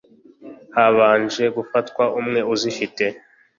Habanje gufatwa umwe uzifite